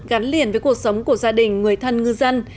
gắn liền với cuộc sống của gia đình người thân ngư dân